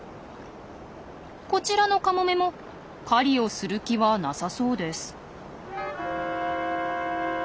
こちらのカモメも狩りをする気はなさそうです。